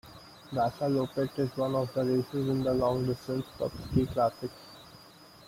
Vasaloppet is one of the races in the long distance cup Ski Classics.